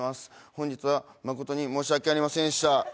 本日は誠に申し訳ありませんでした。